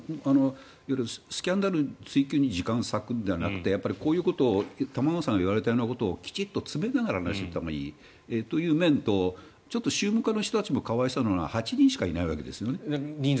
スキャンダル追及に時間を割くのではなくて玉川さんが言われたようなことをきちんと詰めながら話していったほうがいいという面と宗務課の人たちも可哀想なのは８人しかいないわけです。